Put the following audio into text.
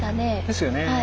ですよね。